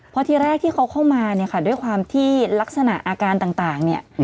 เพราะทีแรกที่เขาเข้ามาเนี่ยค่ะด้วยความที่ลักษณะอาการต่างเนี่ย